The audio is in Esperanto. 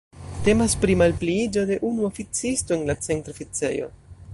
Temas pri malpliiĝo de unu oficisto en la Centra Oficejo.